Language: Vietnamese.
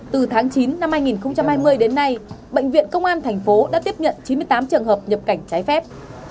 từ tháng chín năm hai nghìn hai mươi đến nay bệnh viện công an thành phố đã tiếp nhận chín mươi tám trường hợp nhập cảnh trái phép